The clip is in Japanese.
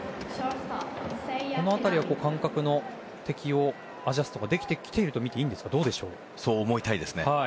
この辺りは感覚の適応アジャストができてきているとそう思いたいですね。